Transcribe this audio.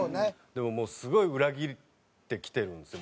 でももうすごい裏切ってきてるんですよ。